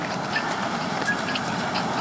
بد مه کوئ.